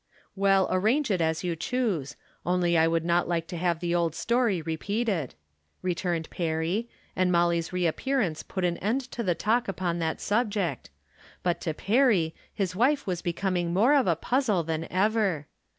" Well, arrange it as you choose. Only I would not like to have the old story repeated," returned Perry, and Molly's reappearance put an end to the talk upon that subject, but to Perry his wife was becoming more of a puzzle than ever.